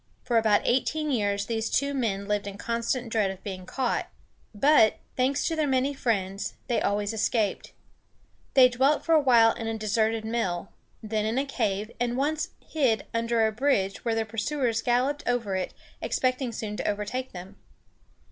For about eighteen years these two men lived in constant dread of being caught; but, thanks to their many friends, they always escaped. They dwelt for a while in a deserted mill, then in a cave, and once hid under a bridge while their pursuers galloped over it, expecting soon to overtake them.